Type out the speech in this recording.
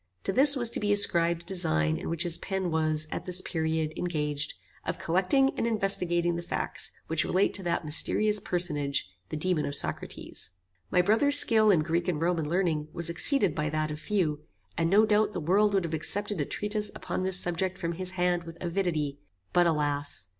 To this was to be ascribed a design in which his pen was, at this period, engaged, of collecting and investigating the facts which relate to that mysterious personage, the Daemon of Socrates. My brother's skill in Greek and Roman learning was exceeded by that of few, and no doubt the world would have accepted a treatise upon this subject from his hand with avidity; but alas!